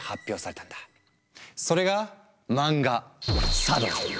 それが漫画「サ道」。